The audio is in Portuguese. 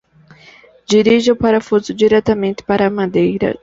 Dirija o parafuso diretamente para a madeira.